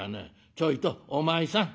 ちょいとお前さん。